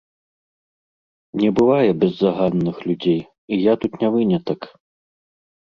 Не бывае беззаганных людзей, і я тут не вынятак.